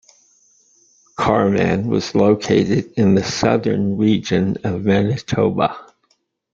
Carman was located in the southern region of Manitoba.